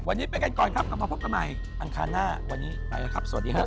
วันนี้ไปกันก่อนครับกลับมาพบกันใหม่อังคารหน้าวันนี้ไปแล้วครับสวัสดีครับ